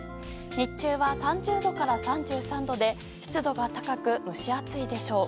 日中は３０度から３３度で湿度が高く蒸し暑いでしょう。